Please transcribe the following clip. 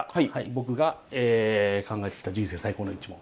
僕がえ考えてきた人生最高の一問。